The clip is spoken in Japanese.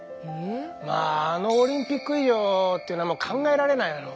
まああのオリンピック以上っていうのは考えられないの。